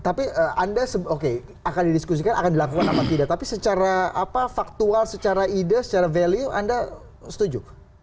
tapi anda oke akan didiskusikan akan dilakukan apa tidak tapi secara faktual secara ide secara value anda setuju